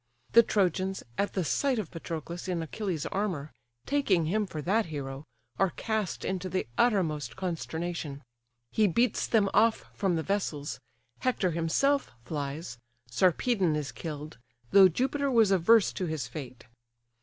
The Trojans, at the sight of Patroclus in Achilles' armour, taking him for that hero, are cast into the uttermost consternation; he beats them off from the vessels, Hector himself flies, Sarpedon is killed, though Jupiter was averse to his fate.